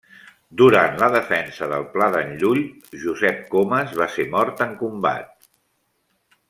Durant la defensa del Pla d'en Llull Josep Comes va ser mort en combat.